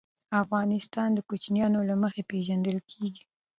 افغانستان د کوچیانو له مخې پېژندل کېږي.